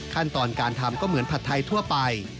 ขั้นตอนการทำก็เหมือนผัดไทยทั่วไป